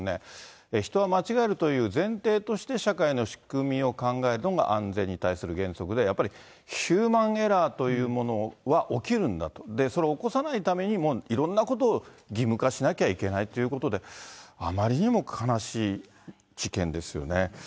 人は間違えるという前提として、社会の仕組みを考えるのが安全に対する原則で、やっぱりヒューマンエラーというものは起きるんだと、それを起こさないために、いろんなことを義務化しなきゃいけないということで、あまりにも悲しい事件ですよね。